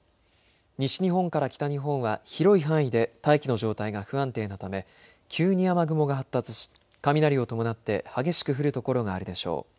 西日本から北日本は広い範囲で大気の状態が不安定なため急に雨雲が発達し、雷を伴って激しく降る所があるでしょう。